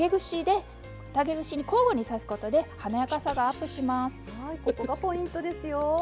ここがポイントですよ。